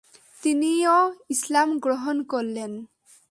তিনিও ইসলাম গ্রহণ করলেন।